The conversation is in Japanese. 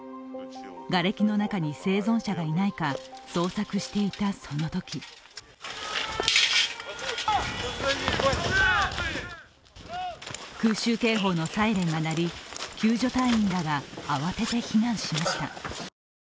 がれきの中に生存者がいないか捜索していたそのとき空襲警報のサイレンが鳴り救助隊員らが慌てて避難しました。